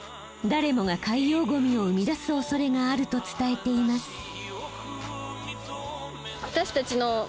誰もが海洋ゴミを生み出すおそれがあると伝えています。